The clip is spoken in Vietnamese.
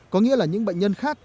có nghĩa là những bệnh nhân khác